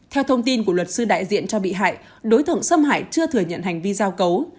theo thông tin của luật sư đại diện cho bị hại đối tượng xâm hại chưa thừa nhận hành vi giao cấu